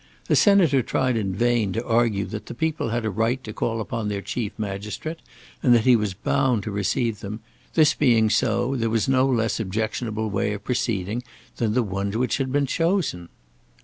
The Senator tried in vain to argue that the people had a right to call upon their chief magistrate, and that he was bound to receive them; this being so, there was no less objectionable way of proceeding than the one which had been chosen.